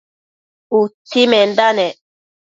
utsimenda nec